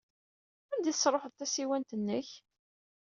Anda ay tesṛuḥeḍ tasiwant-nnek?